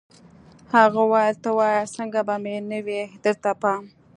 هغه ویل ته وایه څنګه به مې نه وي درته پام